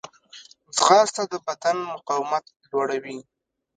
ځغاسته د بدن مقاومت لوړوي